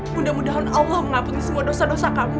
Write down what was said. mudah mudahan allah mengaputi semua dosa dosa kamu